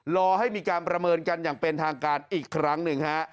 รอให้มีการประเมินกันอย่างเป็นทางการอีกครั้งหนึ่งฮะ